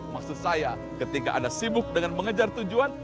maksud saya ketika anda sibuk dengan mengejar tujuan